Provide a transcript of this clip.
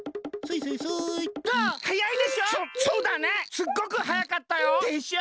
すっごくはやかったよ。でしょ？